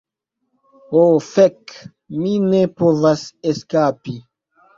Oh fek, mi ne povas eskapi!